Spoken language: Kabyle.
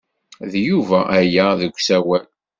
D Yuba aya deg usawal.